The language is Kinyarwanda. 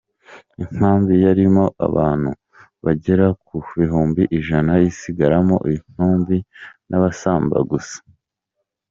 Inkambi yarimo abantu bagera ku bihumbi ijana isigaramo intumbi n’abasambaga gusa.